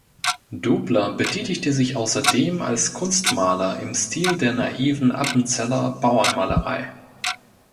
Dobler betätigte sich ausserdem als Kunstmaler im Stil der naiven Appenzeller Bauernmalerei.